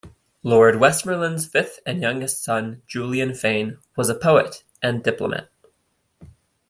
Lord Westmorland's fifth and youngest son Julian Fane was a poet and diplomat.